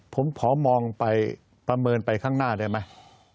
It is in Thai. ผมขอมองไปประเมินไปข้างหน้าได้ไหม